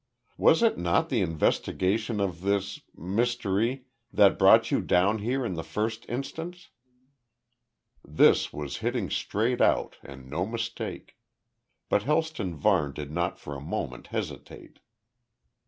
Was it not the investigation of this mystery, that brought you down here in the first instance?" This was hitting straight out and no mistake. But Helston Varne did not for a moment hesitate.